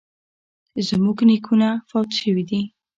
زموږ نیکونه فوت شوي دي